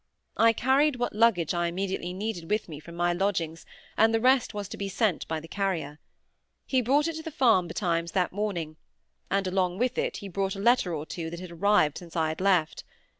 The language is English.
I had carried what luggage I immediately needed with me from my lodgings and the rest was to be sent by the carrier. He brought it to the farm betimes that morning, and along with it he brought a letter or two that had arrived since I had left.